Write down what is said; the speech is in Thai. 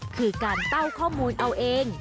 คือการเต้าข้อมูลเอาเอง